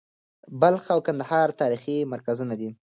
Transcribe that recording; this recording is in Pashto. بلخ او کندهار تاریخي مرکزونه دي.